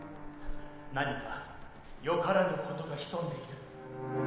何かよからぬことが潜んでいる。